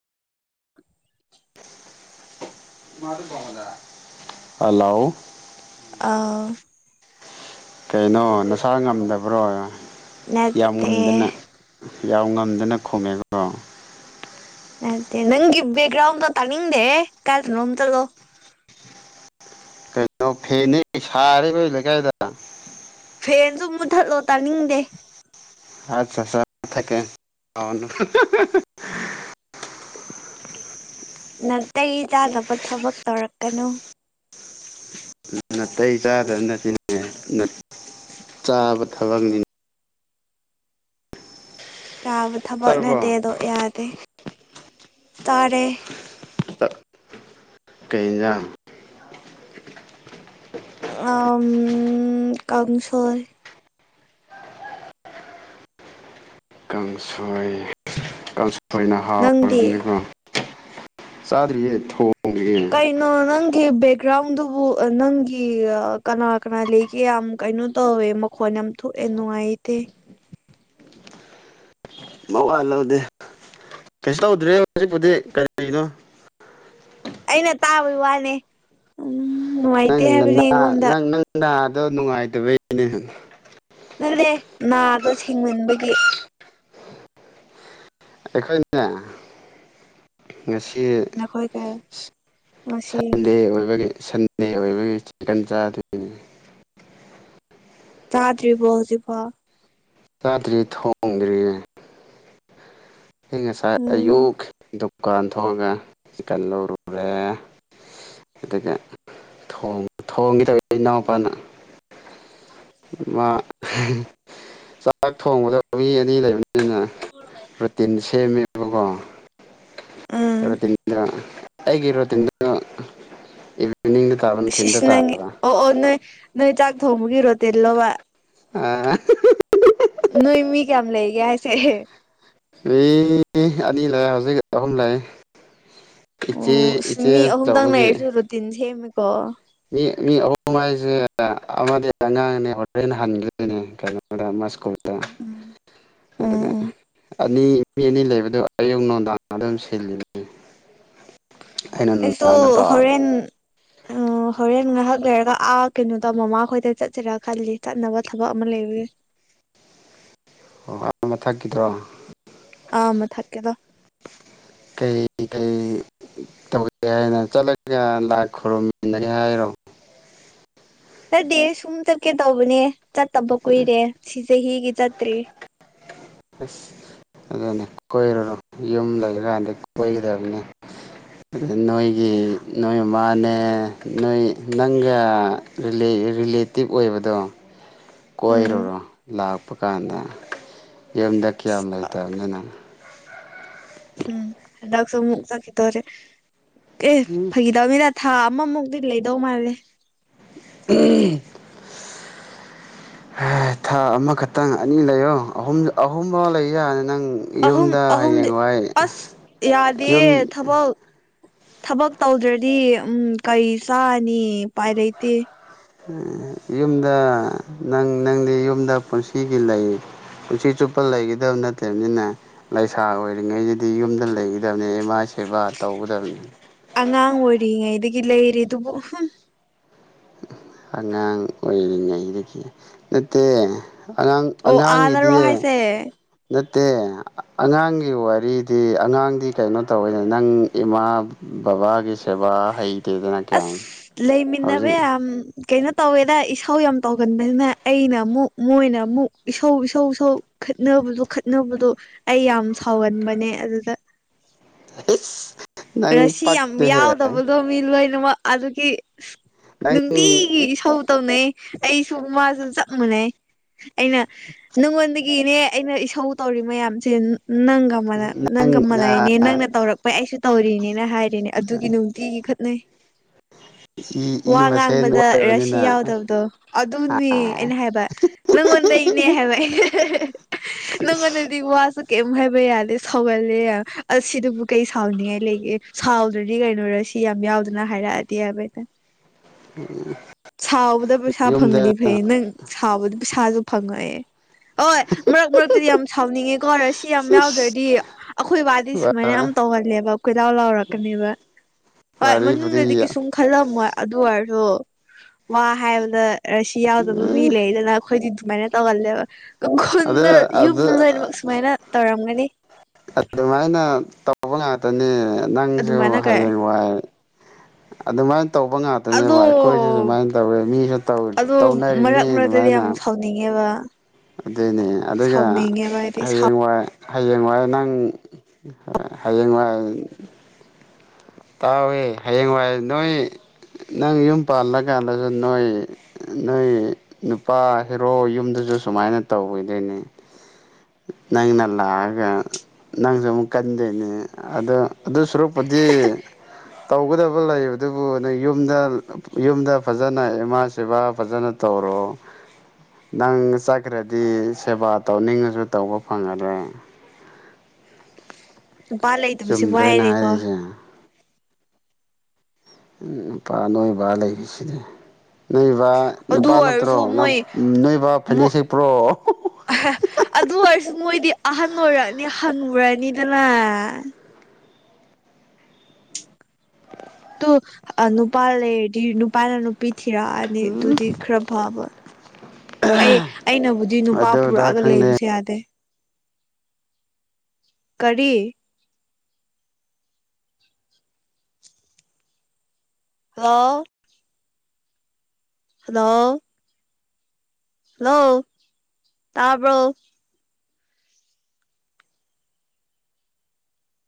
[unintelligible] hello ꯑꯧ ꯀꯩꯅꯣ ꯅꯁꯥ ꯉꯝꯗꯕ꯭ꯔꯣ ꯌꯥꯝ ꯉꯝꯗꯅ ꯅꯠꯇꯦ ꯌꯥꯝ ꯉꯝꯗꯅ ꯈꯨꯝꯃꯦꯕ ꯅꯠꯇꯦ ꯅꯪ ꯕꯦꯛꯒ꯭ꯔꯥꯎꯗꯣ ꯇꯥꯅꯤꯡꯗꯦꯌꯦ ꯀꯥꯏꯗꯅꯣꯝ ꯆꯠꯂꯣ ꯑꯣ ꯐꯦꯟꯅꯦ ꯁꯥꯔꯦ ꯑꯩꯈꯣꯏ ꯂꯩꯀꯥꯏꯗ ꯐꯦꯟꯁꯨ ꯃꯨꯠꯊꯠꯂꯣ ꯇꯥꯅꯤꯡꯗꯦ ꯑꯠꯆꯥ ꯆꯥ ꯃꯨꯠꯊꯠꯀꯦ ꯁꯥꯎꯔꯅꯨ ꯅꯥꯇꯩ ꯆꯥꯗꯕ ꯊꯕꯛ ꯇꯧꯔꯛꯀꯅꯨ ꯅꯥꯇꯩ ꯆꯥꯗꯕ ꯅꯠꯇꯦ ꯆꯥꯕ ꯊꯕꯛꯅꯤꯅꯦ ꯆꯥꯕ ꯊꯕꯛ ꯆꯥꯔꯕꯣ ꯅꯠꯇꯦ ꯑꯗꯣ ꯌꯥꯗꯦ ꯇꯥꯔꯦ ꯀꯩ ꯌꯦꯟꯖꯥꯡ ꯑꯥ ꯀꯥꯡꯁꯣꯏ ꯀꯥꯡꯁꯣꯏ ꯀꯥꯡꯁꯣꯏꯅ ꯅꯪꯗꯤ ꯍꯥꯎꯔꯕꯅꯦꯀꯣ ꯆꯥꯗꯔꯤꯌꯦ ꯊꯣꯡꯉꯤꯌꯦ ꯀꯩꯅꯣ ꯅꯪꯒꯤ ꯕꯦꯛꯒ꯭ꯔꯥꯎꯟꯗꯨꯕꯨ ꯅꯪꯒꯤ ꯀꯅꯥ ꯀꯅꯥ ꯂꯩ ꯌꯥꯝ ꯀꯩꯅꯣ ꯇꯧꯋꯦ ꯃꯈꯣꯟ ꯌꯥꯝ ꯊꯣꯛꯑꯦ ꯅꯨꯡꯉꯥꯏꯇꯦ ꯃꯋꯥꯜ ꯂꯧꯗꯦ ꯀꯩꯁꯨ ꯇꯧꯗ꯭ꯔꯦ ꯍꯧꯖꯤꯛꯄꯨꯗꯤ ꯀꯔꯤꯅꯣ ꯑꯩꯅ ꯇꯥꯕꯩ ꯋꯥꯅꯦ ꯎꯝ ꯅꯨꯡꯉꯥꯏꯇꯦ ꯅꯪ ꯍꯥꯏꯕꯅꯦ ꯅꯅꯥ ꯑꯩꯉꯣꯟꯗ ꯅꯪ ꯅꯪ ꯅꯥꯗꯣ ꯅꯨꯡꯉꯥꯏꯇꯕꯩꯅꯦ ꯅꯠꯔꯦ ꯅꯥꯗꯣ ꯁꯤꯡꯃꯟꯕꯒꯤ ꯑꯩꯈꯣꯏꯅꯅꯦ ꯉꯁꯤ ꯅꯈꯣꯏ ꯀ ꯁꯟ ꯉꯁꯤ ꯁꯟꯗꯦ ꯑꯣꯏꯕꯒꯤ ꯁꯟꯗꯦ ꯑꯣꯏꯕꯒꯤ ꯆꯤꯛꯀꯟ ꯆꯥꯗꯣꯏꯅꯤ ꯆꯥꯗ꯭ꯔꯤꯕꯣ ꯍꯧꯖꯤ ꯐꯥꯎ ꯆꯥꯗ꯭ꯔꯤ ꯊꯣꯡꯗ꯭ꯔꯤꯌꯦ ꯑꯩ ꯉꯁꯥꯏ ꯎꯝ ꯑꯌꯨꯛ ꯗꯨꯀꯥꯟ ꯊꯣꯛꯑꯒ ꯆꯤꯀꯟ ꯂꯧꯔꯨꯔꯦ ꯑꯗꯨꯒ ꯊꯣꯡ ꯊꯣꯡꯒꯤꯗꯧꯔꯦ ꯏꯅꯥꯎꯄꯥꯅ ꯃꯥ ꯆꯥꯛ ꯊꯣꯡꯕꯗ ꯃꯤ ꯑꯅꯤ ꯂꯩꯕꯅꯤꯅ ꯔꯨꯇꯤꯟ ꯁꯦꯝꯃꯦꯕꯀꯣ ꯎꯝ [unintelligible] ꯑꯩꯒꯤ ꯔꯨꯇꯤꯟꯗꯣ ꯏ ꯏꯚꯤꯅꯤꯡꯗ ꯇꯥꯕ ꯏꯁ ꯏꯁ ꯅꯪꯒꯤ ꯑꯣ ꯑꯣ ꯅꯣꯏ ꯅꯣꯏ ꯆꯥꯛ ꯊꯣꯡꯕꯒꯤ ꯔꯣꯇꯤꯜ ꯂꯥꯕ [unintelligible] ꯅꯣꯏ ꯃꯤ ꯀꯌꯥꯝ ꯂꯩꯒꯦ ꯍꯥꯏꯁꯦ ꯃꯤ ꯑꯅꯤ ꯂꯩ ꯍꯧꯖꯤꯛ ꯑꯍꯨꯝ ꯂꯩꯥ ꯑꯣ ꯏꯁ ꯃꯤ ꯑꯍꯨꯝꯗꯪ ꯑꯆꯧꯕꯒꯤ ꯂꯩꯔꯁꯨ ꯔꯨꯇꯤꯟ ꯁꯦꯝꯃꯦꯀꯣ ꯃꯤ ꯃꯤ ꯑꯍꯨꯝ ꯍꯥꯏꯁꯦ ꯑꯃꯗꯤ ꯑꯉꯥꯡꯅꯦ ꯍꯣꯔꯦꯟ ꯍꯟꯒꯤꯗꯣꯏꯅꯦ ꯀꯩꯅꯣꯗ ꯃꯁꯛ [unintelligible] ꯎꯝ ꯑꯗꯨꯒ ꯎꯝ ꯑꯅꯤ ꯃꯤ ꯑꯅꯤ ꯂꯩꯕꯗꯨ ꯑꯌꯨꯛ ꯅꯨꯡꯗꯥꯡ ꯑꯗꯨꯝ ꯁꯤꯜꯂꯤꯅꯤ ꯑꯩꯅ ꯑꯩꯁꯨ ꯅꯨꯡꯗꯥꯡꯗ ꯇꯧꯔꯕ ꯍꯣꯔꯦꯟ ꯎꯝ ꯍꯣꯔꯦꯟ ꯉꯥꯏꯍꯥꯛ ꯂꯩꯔꯒ ꯑꯥ ꯀꯩꯅꯣꯗ ꯃꯃꯥ ꯈꯣꯏꯗ ꯆꯠꯁꯤꯔꯥ ꯈꯜꯂꯤ ꯆꯠꯅꯕ ꯊꯕꯛ ꯑꯃ ꯂꯩꯕꯒꯤ ꯑꯣ ꯑ ꯃꯥꯊꯛꯀꯤꯗꯣ ꯑ ꯃꯊꯛꯀꯤꯗꯣ ꯀꯩ ꯀꯩ ꯇꯧꯒꯦ ꯍꯥꯏꯅ ꯆꯠꯂꯒ ꯂꯥꯏ ꯈꯨꯔꯨꯝꯃꯤꯟꯅꯒꯦ ꯍꯥꯏꯔꯣ ꯅꯠꯗꯦꯍꯦ ꯁꯨꯝ ꯆꯠꯀꯦ ꯇꯧꯕꯅꯦ ꯆꯠꯇꯕ ꯀꯨꯏꯔꯦ ꯁꯤ ꯆꯍꯤꯒꯤ ꯆꯠꯇ꯭ꯔꯤ ꯑꯁ ꯑꯗꯨꯅꯦ ꯀꯣꯏꯔꯨꯔꯣ ꯌꯨꯝ ꯂꯩꯔꯀꯥꯟꯗ ꯀꯣꯏꯒꯗꯕꯅꯤ ꯑꯗ ꯅꯣꯏꯒꯤ ꯅꯣꯏꯌꯨꯝ ꯃꯥꯅꯦ ꯅꯣꯏ ꯅꯪꯒ ꯔꯤꯂꯦ ꯔꯤꯂꯦꯇꯤꯞ ꯑꯣꯏꯕꯗꯣ ꯎꯝ ꯀꯣꯏꯔꯨꯔꯣ ꯂꯥꯛꯄ ꯀꯥꯟꯗ ꯌꯨꯝꯗ ꯀꯌꯥꯝ ꯂꯩꯇꯕꯅꯤ ꯅꯪ ꯍꯨꯝ ꯍꯟꯗꯛꯁꯨ ꯑꯃꯨꯛ ꯆꯠꯈꯤꯗꯣꯔꯦ ꯑꯦ ꯐꯥꯒꯤ ꯗꯃꯤꯅ ꯊꯥ ꯑꯃꯃꯨꯛꯇꯤ ꯂꯩꯗꯧ ꯃꯥꯜꯂꯦ ꯎꯝ ꯍꯥ ꯊꯥ ꯑꯃꯈꯛꯇꯪ ꯑꯅꯤ ꯂꯩꯌꯣ ꯑꯍꯨꯝ ꯑꯍꯨꯝꯐꯥꯎ ꯂꯩ ꯌꯥꯅꯤ ꯅꯪ ꯑꯍꯨꯝ ꯌꯨꯝꯗ ꯑꯍꯨꯝꯗꯤ ꯍꯌꯦꯡꯋꯥꯏ ꯑꯁ ꯌꯥꯗꯤꯌꯦ ꯌꯨꯝ ꯊꯕꯛ ꯊꯕꯛ ꯇꯧꯗ꯭ꯔꯗꯤ ꯎꯝ ꯀꯩ ꯆꯥꯅꯤ ꯎꯄꯥꯏ ꯂꯩꯇꯦ ꯌꯨꯝꯗ ꯅꯪ ꯅꯪꯗꯤ ꯌꯨꯝꯗ ꯄꯨꯟꯁꯤꯒꯤ ꯂꯩ ꯄꯨꯟꯁꯤ ꯆꯨꯞꯄ ꯂꯩꯒꯤꯗꯕ ꯅꯠꯇꯦꯍꯥꯏꯝꯅꯤꯅꯦ ꯂꯩꯁꯥ ꯑꯣꯏꯔꯤꯉꯩꯗꯗꯤ ꯌꯨꯝꯗ ꯂꯩꯒꯗꯕꯅꯤ ꯑꯦꯃꯥꯏ ꯁꯦꯕꯥ ꯇꯧꯒꯗꯕꯅꯤ ꯑꯉꯥꯡ ꯑꯣꯏꯔꯤꯉꯩꯗꯒꯤ ꯂꯩꯔꯤꯗꯨꯕꯨ ꯍꯨꯝ ꯑꯉꯥꯡ ꯑꯣꯏꯔꯤꯉꯩꯗꯒꯤ ꯅꯠꯇꯦ ꯑꯉꯥꯡ ꯑꯉꯥꯡꯒꯤꯗꯤ ꯑꯦ ꯅꯠꯇꯦ ꯑꯉꯥꯡꯒꯤ ꯋꯥꯔꯤꯗꯤ ꯑꯉꯥꯡꯗꯤ ꯀꯩꯅꯣ ꯇꯧꯋꯦꯗ ꯅꯪ ꯏꯃꯥ ꯕꯥꯕꯥꯒꯤ ꯁꯦꯕꯥ ꯍꯩꯇꯦꯗ ꯅꯪ ꯑꯁ ꯂꯩꯃꯤꯟꯅꯕ ꯌꯥꯝ ꯀꯩꯅꯣ ꯇꯧꯋꯦꯗ ꯏꯁꯧ ꯌꯥꯝ ꯇꯧꯒꯟꯕꯅꯤꯅ ꯑꯩꯅ ꯑꯃꯨꯛ ꯃꯣꯏꯅ ꯑꯃꯨꯛ ꯏꯁꯧ ꯏꯁꯧ ꯏꯁꯧ ꯈꯠꯅꯕꯗꯣ ꯈꯠꯅꯕꯗꯣ ꯑꯩ ꯌꯥꯝ ꯁꯥꯎꯍꯟꯕꯅꯦ ꯑꯗꯨꯗ [unintelligible] ꯔꯁꯤ ꯌꯥꯝ ꯄꯛꯇꯦꯍꯦ ꯌꯥꯎꯗꯕꯗꯣ ꯃꯤ ꯂꯣꯏꯅꯃꯛ ꯑꯗꯨꯒꯤ ꯏꯁ ꯅꯪ ꯅꯨꯡꯇꯤꯒꯤ ꯏꯁꯧ ꯇꯧꯅꯩꯌꯦ ꯑꯩꯁꯨ ꯃꯥꯁꯨ ꯆꯞ ꯃꯥꯟꯅꯩ ꯑꯩꯅ ꯅꯉꯣꯟꯗꯒꯤ ꯑꯤꯅꯦ ꯑꯩꯅ ꯏꯁꯧ ꯇꯧꯔꯤ ꯃꯌꯥꯝꯁꯦ ꯅꯪꯒ ꯅꯪꯒ ꯅꯪ ꯃꯅꯩꯅꯦ ꯅꯪꯅ ꯇꯧꯔꯛꯄꯩ ꯑꯩꯁꯨ ꯇꯧꯔꯤꯅꯤꯅ ꯍꯥꯏꯔꯤꯅꯦ ꯑꯗꯨꯒꯤ ꯅꯨꯡꯇꯤꯒꯤ ꯈꯠꯅꯩ ꯏ ꯏ ꯋꯥ ꯃꯁꯦꯟ ꯉꯥꯡꯕꯗ ꯔꯁꯤ ꯑꯣꯏꯕꯅꯤꯅ ꯌꯥꯎꯗꯕꯗꯣ ꯑꯗꯨꯅꯤ ꯑꯩꯅ ꯍꯥꯏꯕ ꯅꯪꯉꯣꯟꯗꯩꯅꯦ ꯍꯥꯏꯕ ꯅꯪꯉꯣꯟꯗꯗꯤ ꯋꯥꯁꯨ ꯀꯩꯝ ꯍꯥꯏꯕ ꯌꯥꯗꯦ ꯁꯥꯎꯒꯟꯂꯦ ꯌꯥꯝ ꯑꯁꯤꯗꯕꯨ ꯀꯩ ꯁꯥꯎꯅꯤꯡ ꯉꯥꯏ ꯂꯩꯒꯦ ꯁꯥꯎꯗ꯭ꯔꯗꯤ ꯀꯩꯅꯣ ꯔꯁꯤ ꯌꯥꯝ ꯌꯥꯎꯗꯅ ꯍꯥꯏꯔꯛꯑꯗꯤ ꯍꯥꯏꯕ ꯁꯥꯎꯕꯗ ꯄꯩꯁꯥ ꯌꯨꯝꯗ ꯐꯪꯉꯗꯤ [unintelligible] ꯅꯪ ꯁꯥꯎꯕꯗꯨ ꯄꯩꯁꯥꯖꯨ ꯐꯪꯡꯉꯣꯏ ꯍꯣꯏ ꯃꯔꯛ ꯃꯔꯛꯇꯗꯤ ꯌꯥꯝ ꯁꯥꯎꯅꯤꯡꯉꯦ ꯀꯣ ꯔꯁꯤ ꯌꯥꯝ ꯌꯥꯎꯗ꯭ꯔꯗꯤ ꯑꯈꯣꯏ ꯋꯥꯗꯤ ꯁꯨꯃꯥꯏꯅ ꯌꯥꯝ ꯇꯧꯍꯜꯂꯦꯕ ꯀꯣꯏꯂꯥꯎ ꯂꯥꯎꯔꯛꯀꯅꯦꯕ ꯍꯣꯏ ꯃꯅꯨꯡꯗꯗꯤ ꯋꯥꯔꯤꯕꯨꯗꯤ ꯀꯩꯁꯨꯝ ꯈꯜꯂꯝꯃꯣꯏ ꯑꯗꯨ ꯑꯣꯏꯔꯁꯨ ꯋꯥ ꯍꯥꯏꯕꯗ ꯔꯁꯤ ꯌꯥꯎꯗꯕ ꯃꯤ ꯂꯩꯗꯅ ꯑꯈꯣꯏꯗꯤ ꯑꯗꯨꯃꯥꯏꯅ ꯇꯧꯒꯜꯂꯦꯕ ꯈꯨꯟꯗ ꯑꯗ ꯌꯨꯝꯗ ꯑꯗꯨ ꯂꯣꯏꯅꯃꯛ ꯁꯨꯃꯥꯏꯅ ꯇꯧꯔꯝꯒꯅꯤ ꯑꯗꯨꯃꯥꯏꯅ ꯇꯧꯕ ꯉꯥꯛꯇꯅꯤ ꯅꯪꯖꯨ ꯑꯗꯨꯃꯥꯏꯅ ꯀꯩ ꯍꯌꯦꯡ ꯋꯥꯏ ꯑꯗꯨꯃꯥꯏꯅ ꯇꯧꯕ ꯑꯗꯣ ꯉꯥꯛꯇꯅꯦꯕ ꯑꯩꯈꯣꯏꯖꯨ ꯑꯗꯨꯃꯥꯏ ꯇꯧꯋꯦ ꯃꯤꯁꯨ ꯇꯧꯅꯔꯤꯅꯤ ꯑꯗꯨꯃꯥꯏꯅ ꯅꯤꯡꯉꯦ ꯋꯥ ꯑꯗꯨꯅꯤ ꯑꯗꯨꯒ ꯍꯥꯏꯗꯤ ꯍꯌꯦꯡꯋꯥꯏ ꯍꯌꯦꯡꯋꯥꯥꯏ ꯅꯪ ꯍꯌꯦꯡꯋꯥꯏ ꯇꯥꯎꯍꯦ ꯍꯌꯦꯡꯋꯥꯏ ꯅꯣꯏ ꯅꯪ ꯌꯨꯝ ꯄꯥꯜꯂꯀꯥꯟꯗꯒ ꯅꯣꯏ ꯅꯣꯏ ꯅꯨꯄꯥ ꯍꯦꯔꯣ ꯌꯨꯝꯗꯖꯨ ꯁꯨꯃꯥꯏꯅ ꯇꯧꯕꯤꯗꯣꯏꯅꯦ ꯅꯪꯅ ꯂꯥꯛꯑꯒ ꯅꯪꯖꯨ ꯑꯃꯨꯛ ꯀꯟꯗꯣꯏꯅꯦ ꯑꯗꯣ ꯑꯗꯨ ꯁꯔꯨꯛꯄꯨꯗꯤ ꯇꯧꯒꯗꯕ ꯂꯩꯕ ꯑꯗꯨꯕꯨ ꯅꯣꯏ ꯌꯨꯝꯗ ꯌꯨꯝꯗ ꯐꯖꯅ ꯏꯃꯥ ꯁꯦꯕꯥ ꯐꯖꯅ ꯇꯧꯔꯣ ꯅꯪ ꯆꯠꯈ꯭ꯔꯗꯤ ꯁꯦꯕꯥ ꯇꯧꯅꯤꯡꯉꯁꯨ ꯇꯧꯕ ꯐꯪꯉꯔꯣꯏ ꯅꯨꯄꯥ ꯂꯩꯇꯕꯁꯤ ꯆꯨꯝꯗ꯭ꯔꯣ ꯑꯩꯅ ꯋꯥꯏꯌꯦꯅꯦꯀꯣ ꯍꯥꯏꯔꯤꯁꯦ ꯎ ꯅꯨꯄꯥ ꯅꯣꯏꯕ ꯂꯩꯔꯤꯁꯤꯗꯤ ꯅꯣꯏꯕ ꯑꯗꯨ ꯅꯨꯄꯥ ꯅꯠꯇ꯭ꯔꯣ ꯑꯣꯏꯔꯁꯨ ꯃꯣꯏ ꯅꯣꯏꯕ ꯐꯅꯦꯛ ꯁꯦꯠꯄ꯭ꯔꯣ ꯑꯗꯨ ꯑꯣꯏꯔꯁꯨ ꯃꯣꯏꯗꯤ ꯑꯍꯟ ꯑꯣꯏꯔꯛꯑꯅꯤ ꯍꯅꯨꯔꯛꯑꯅꯤꯗꯅ ꯇꯣ ꯑ ꯅꯨꯄ ꯂꯩꯔꯗꯤ ꯅꯨꯄꯥꯅ ꯅꯨ ꯄꯤ ꯊꯤꯔꯛꯑꯅꯤ ꯑꯗꯨꯗꯤ ꯈꯔ ꯐꯕ ꯑꯩ ꯑꯩꯅꯕꯨꯗꯤ ꯅꯨꯄꯥ ꯑꯗꯨ ꯑꯗꯥ ꯄꯨꯔꯛꯑꯒ ꯈꯪꯗꯦ ꯂꯩꯕꯁꯨ ꯌꯥꯗꯦ ꯀꯔꯤ ꯍꯜꯂꯣ ꯍꯜꯂꯣ ꯍꯜꯂꯣ ꯇꯥꯕ꯭ꯔꯣ